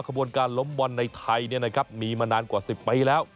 ขบวนการล้มบอลในไทยมีมานานกว่า๑๐ปีแล้ว